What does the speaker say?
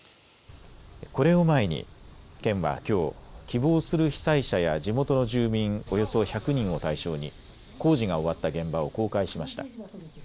これを前に県はきょう、希望する被災者や地元の住民およそ１００人を対象に工事が終わった現場を公開しました。